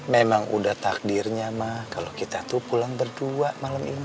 memang udah takdirnya mah kalau kita tuh pulang berdua malam ini